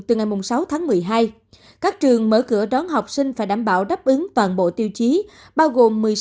từ ngày sáu tháng một mươi hai các trường mở cửa đón học sinh phải đảm bảo đáp ứng toàn bộ tiêu chí bao gồm một mươi sáu